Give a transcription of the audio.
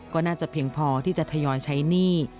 ก็น่าจะเพียงพอที่จะทยอยใช้หนี้